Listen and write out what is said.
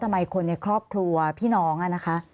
ในคนในครอบครัวพี่น้องอะนะคะ